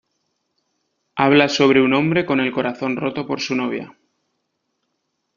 Habla sobre un hombre con el corazón roto por su novia.